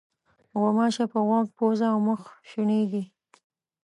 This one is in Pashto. غوماشې په غوږ، پوزه او مخ شېنېږي.